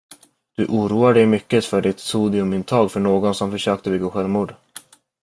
Du oroar dig mycket för ditt sodiumintag för någon som försökte begå självmord.